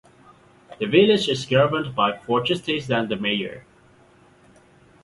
The village is governed by four trustees and a mayor.